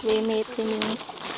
về mệt thì mình